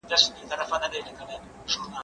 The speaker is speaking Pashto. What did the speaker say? انځور وګوره!.